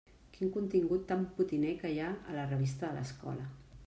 Quin contingut tan potiner que hi ha a la revista de l'escola!